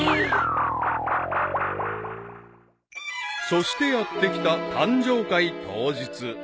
［そしてやってきた誕生会当日］